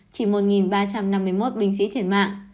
chỉ một ba trăm năm mươi một binh sĩ thiệt mạng